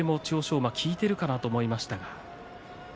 馬効いているかなと思いましたが。